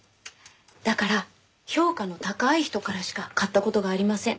だから評価の高い人からしか買った事がありません。